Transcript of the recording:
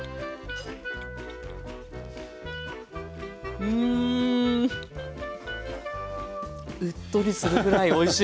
うっとりするぐらいおいしい！